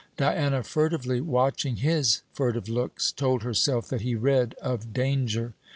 Diana, furtively watching his furtive looks, told herself that he read of danger.